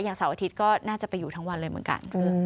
เสาร์อาทิตย์ก็น่าจะไปอยู่ทั้งวันเลยเหมือนกัน